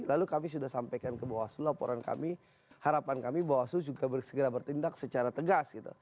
lalu kami sudah sampaikan ke bawaslu laporan kami harapan kami bawaslu juga segera bertindak secara tegas gitu